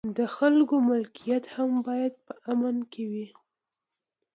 د خلکو ملکیت هم باید په امن کې وي.